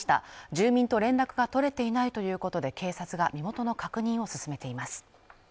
住民と連絡が取れていないということで警察が身元の確認を進めています